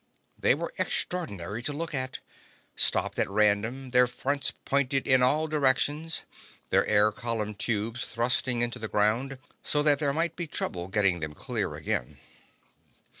They were extraordinary to look at, stopped at random, their fronts pointed in all directions, their air column tubes thrusting into the ground so that there might be trouble getting them clear again.